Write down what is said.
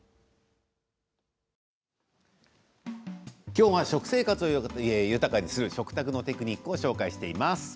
きょうは食生活を豊かにする食卓のテクニックをご紹介します。